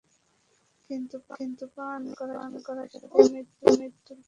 কিন্তু পানি পান করার সাথে সাথেই মৃত্যুর কোলে ঢলে পড়ল।